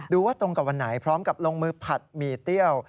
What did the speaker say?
ว่าตรงกับวันไหนพร้อมกับลงมือผัดหมี่เตี้ยว